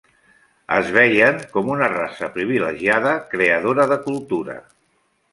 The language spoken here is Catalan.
Es veien com una raça privilegiada creadora de cultura.